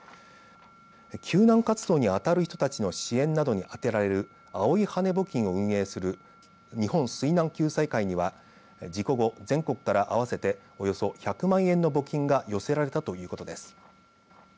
救難活動に当たる人たちの支援などに充てられる青い羽根募金を運営する日本水難救済会には事故後、全国から合わせておよそ１００万円の募金が寄せられたということです。